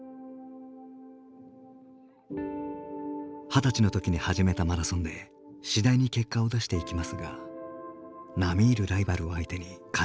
二十歳の時に始めたマラソンで次第に結果を出していきますが並み居るライバルを相手に勝ちきることができませんでした。